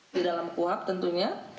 di dalam kuab tentunya